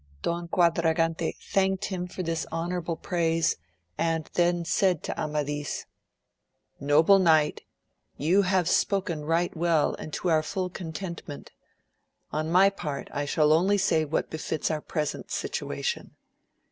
Don Quadragante thanked him for this honourable praise, and then said to Amidis: Noble 80 AMADIS OF GAUL. knight, you have spoken right well and to our full con tentment ; on my part I shall only say what befits our present situation.